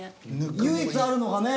唯一あるのがね。